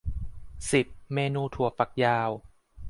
สิบ เมนูถั่วฝักยาว